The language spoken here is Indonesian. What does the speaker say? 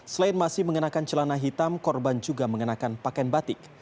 selain masih mengenakan celana hitam korban juga mengenakan pakaian batik